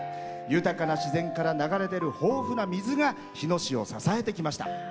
豊かな自然から流れ出る豊富な水が日野市を支えてきました。